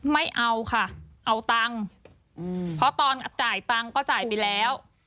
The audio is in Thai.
ไม่เอาค่ะเอาตังค์เพราะตอนจ่ายตังค์ก็จ่ายไปแล้ว